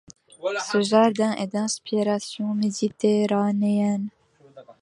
Ce jardin est d’inspiration méditerranéenne.